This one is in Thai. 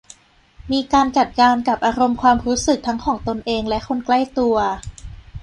มีการจัดการกับอารมณ์ความรู้สึกทั้งของตนเองและคนใกล้ตัว